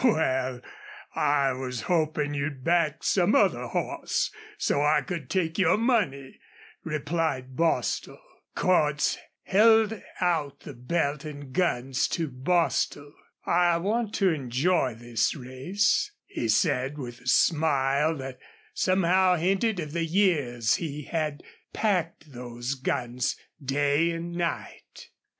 "Wal, I was hopin' you'd back some other hoss, so I could take your money," replied Bostil. Cordts held out the belt and guns to Bostil. "I want to enjoy this race," he said, with a smile that somehow hinted of the years he had packed those guns day and night.